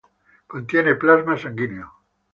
Contiene plasma sanguíneo.